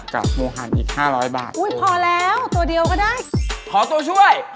กับโมฮันอีกห้าร้อยบาทอุ้ยพอแล้วตัวเดียวก็ได้พอตัวช่วย